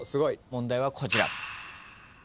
問題はこちら。